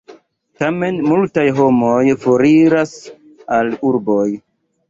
Tamen multaj homoj foriras al urboj.